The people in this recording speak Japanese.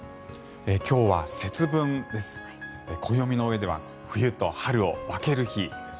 今日は節分です。